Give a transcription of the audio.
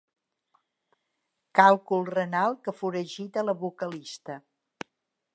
Càlcul renal que foragita la vocalista.